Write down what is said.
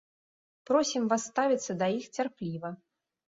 Просім вас ставіцца да іх цярпліва.